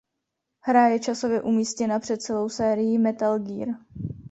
Hra je časově umístěna před celou sérií Metal Gear.